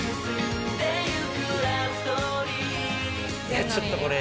えっちょっとこれ。